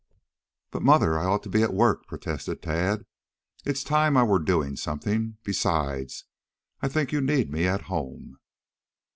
"But, mother, I ought to be at work," protested Tad. "It is time I were doing something. Besides, I think you need me at home."